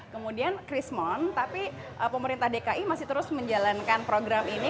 kemudian krismon tapi pemerintah dki masih terus menjalankan program ini